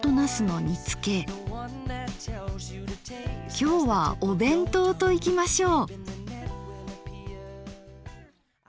きょうはお弁当といきましょう。